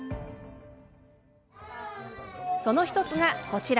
その１つがこちら。